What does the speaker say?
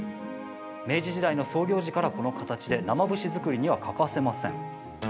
明治時代の創業時からこの形で生節作りには欠かせません。